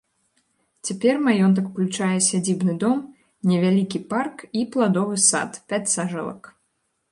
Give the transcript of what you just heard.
Цяпер маёнтак уключае сядзібны дом, невялікі парк і пладовы сад, пяць сажалак.